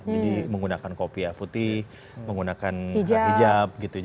jadi menggunakan kopi afuti menggunakan hijab gitu